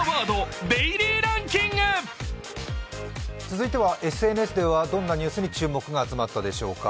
続いてはＳＮＳではどんなニュースに注目が集まったでしょうか。